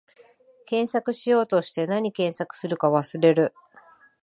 検索しようとして、なに検索するか忘れる